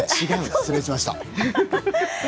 失礼しました。